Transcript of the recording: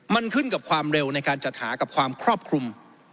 มันขึ้นกับความเร็วในการจัดหากับความครอบคลุม